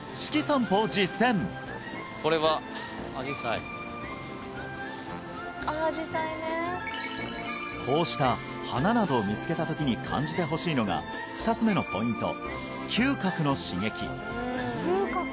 これはこうした花などを見つけた時に感じてほしいのが２つ目のポイント